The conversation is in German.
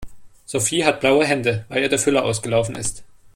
Sophie hat blaue Hände, weil ihr der Füller ausgelaufen ist.